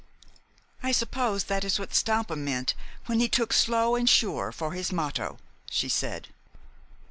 "I suppose that is what Stampa meant when he took 'Slow and Sure' for his motto," she said.